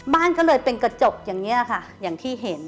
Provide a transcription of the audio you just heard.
บ้านก็เลยเป็นกระจกอย่างนี้ค่ะอย่างที่เห็น